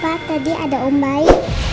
papa tadi ada om bayi